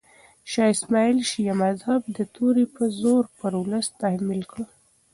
شاه اسماعیل شیعه مذهب د تورې په زور پر ولس تحمیل کړ.